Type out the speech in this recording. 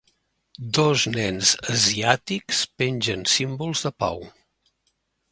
Dos nens asiàtics pengen símbols de pau